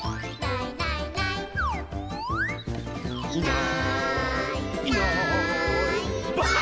「いないいないばあっ！」